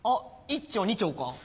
１丁２丁か。